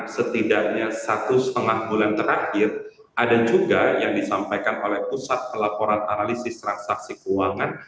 setidaknya satu setengah bulan terakhir ada juga yang disampaikan oleh pusat pelaporan analisis transaksi keuangan